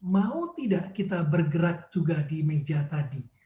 mau tidak kita bergerak juga di meja tadi